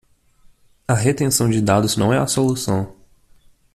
A retenção de dados não é a solução!